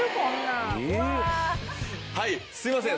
はいすいません。